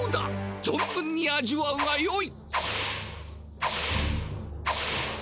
ぞん分に味わうがよい！